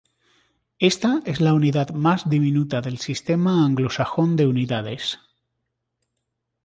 Ésta es la unidad más diminuta del sistema anglosajón de unidades.